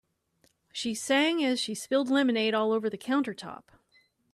She sang as she spilled lemonade all over the countertop.